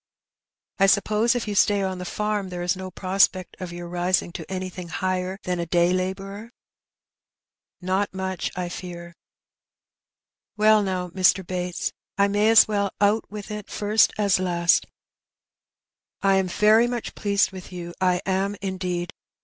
" I suppose if you stay on the farm there is no prospect of your rising to anything higher than a day labourer ?" "Not much, I fear." "Well, now, Mr. Bates, I may as well out with it first as last. I am very much pleased with you; I am, indeed.